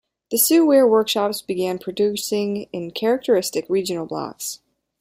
The Sue ware workshops began producing in characteristic regional blocks.